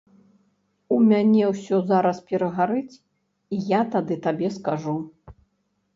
У мяне ўсё зараз перагарыць, і я тады табе скажу.